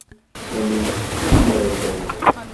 Sami yessumer-d aya.